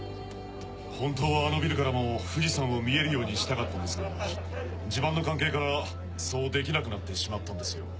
本当はあのビルからも富士山を見えるようにしたかったんですが地盤の関係からそうできなくなってしまったんですよ。